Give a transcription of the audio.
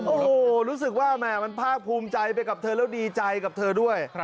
โอ้โหรู้สึกว่าแหม่มันภาคภูมิใจไปกับเธอแล้วดีใจกับเธอด้วย